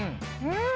うん。